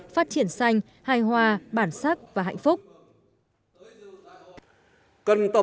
phát triển xanh hài hòa bản xuất